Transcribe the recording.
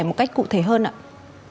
một cách cụ thể hơn ạ